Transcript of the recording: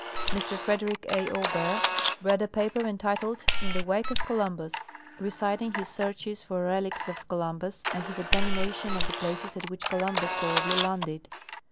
Mr Frederick A. Ober read a paper entitled " In the Wake of Columbus," reciting his searches for relics of Columbus and his examinations of the places at which Columbus probabh^ landed.